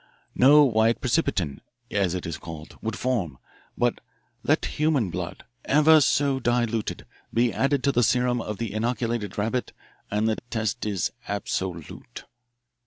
No white precipitin, as it is called, would form. But let human blood, ever so diluted, be added to the serum of the inoculated rabbit, and the test is absolute."